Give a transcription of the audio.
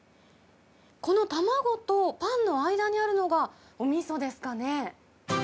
この卵とパンの間にあるのがおみそですかね。